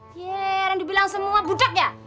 biar yang dibilang semua budak ya